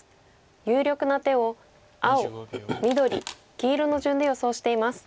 有力な手を青緑黄色の順で予想しています。